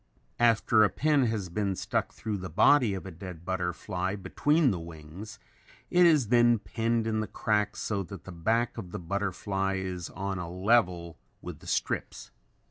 After a pin has been stuck through the body of a dead butterfly between the wings, it is then pinned in the crack so that the back of the butterfly is on a level with the strips.